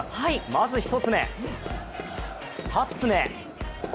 まず１つ目２つ目。